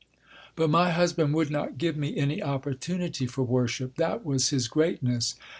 But my husband would not give me any opportunity for worship. That was his greatness.